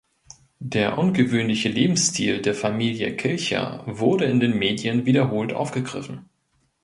Der ungewöhnliche Lebensstil der Familie Kilcher wurde in den Medien wiederholt aufgegriffen.